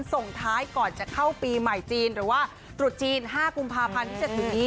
ส่งท้ายก่อนจะเข้าปีใหม่จีนหรือว่าตรุษจีน๕กุมภาพันธ์ที่จะถึงนี้